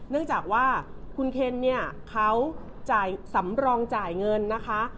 เนื่องจากว่าคุณเคนเนี่ยเขาจ่ายสำรองจ่ายเงินนะคะ